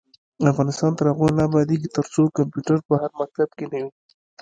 افغانستان تر هغو نه ابادیږي، ترڅو کمپیوټر په هر مکتب کې نه وي.